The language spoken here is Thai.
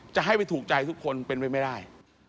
จะให้ไปถูกใจทุกคนเป็นไปไม่ได้